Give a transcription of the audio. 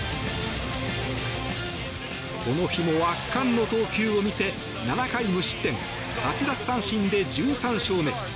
この日も圧巻の投球を見せ７回無失点８奪三振で１３勝目。